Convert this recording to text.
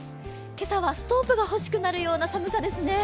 今朝はストーブが欲しくなるような寒さですね。